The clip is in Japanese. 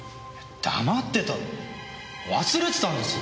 黙ってたって忘れてたんです！